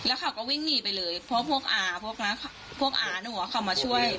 แล้วเขาก็วิ่งหนีไปเลยเพราะพวกอาพวกอาหนูเขามาช่วย